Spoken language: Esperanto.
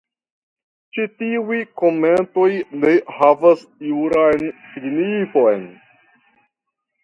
Ĉi tiuj komentoj ne havas juran signifon.